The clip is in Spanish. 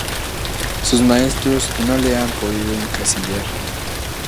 Sus maestros no le han podido encasillar.